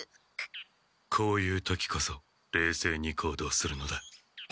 こういう時こそれいせいに行動するのだ。